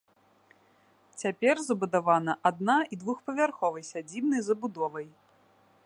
Цяпер забудавана адна і двухпавярховай сядзібнай забудовай.